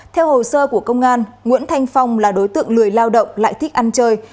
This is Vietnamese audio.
theo hồ sơ của công an nguyễn thanh phong là đối tượng lười lao động lại thích ăn chơi